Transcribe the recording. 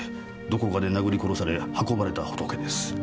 どこかで殴り殺され運ばれたホトケです。